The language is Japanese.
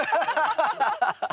ハハハハッ！